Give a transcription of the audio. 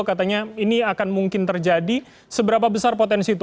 katanya ini akan mungkin terjadi seberapa besar potensi itu